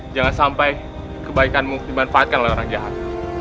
jangan sampai kebaikanmu dimanfaatkan oleh orang jahat